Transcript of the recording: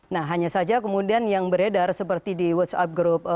nah hanya saja kemudian yang beredar seperti di whatsapp group